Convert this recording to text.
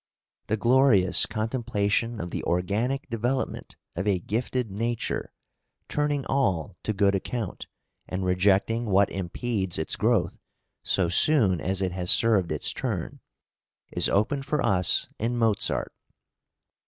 The glorious contemplation of the organic development of a gifted nature, turning all to good account, {FAMILY LIFE IN SALZBURG.} (329) and rejecting what impedes its growth so soon as it has served its turn, is open for us in Mozart.